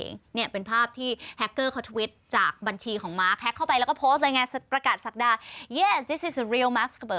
อันนี้เป็นอันเดิมอันนี้ตัวจริงแล้วใช่ไหม